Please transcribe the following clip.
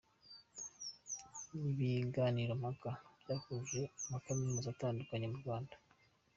Ibiganiro mpaka byahuje amakaminuza atandukanye mu Rwanda.